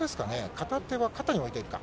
片手は肩に置いているか。